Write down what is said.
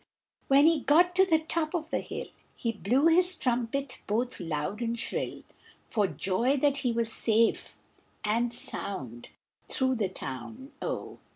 When he got to the top of the hill, He blew his trumpet both loud and shrill, For joy that he was safe and sound Through the town, oh!